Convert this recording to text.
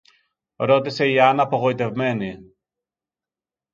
ρώτησε η Άννα απογοητεμένη.